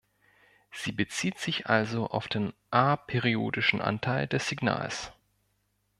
Sie bezieht sich also auf den aperiodischen Anteil des Signals.